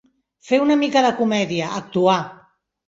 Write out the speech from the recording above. Fer una mica de comèdia, actuar.